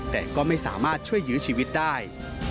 แต่ก็ไม่สามารถช่วยยื้อชีวิตได้